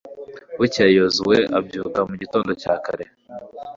bukeye yozuwe abyuka mu gitondo cya kare